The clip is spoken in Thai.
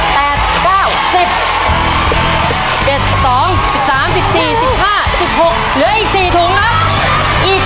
เหลืออีก๔ถุงครับ